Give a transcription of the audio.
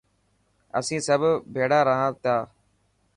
اسين سڀ ڀيڙا رهان ٿا.